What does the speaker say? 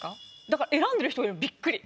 だから選んでる人いるのびっくり。